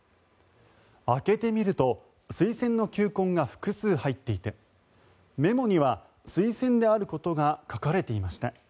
開けてみるとスイセンの球根が複数入っていてメモにはスイセンであることが書かれていました。